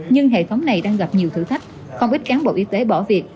nhưng hệ thống này đang gặp nhiều thử thách không ít cán bộ y tế bỏ việc